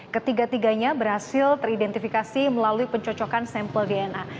ketiga tiganya berhasil teridentifikasi melalui pencocokan sampel dna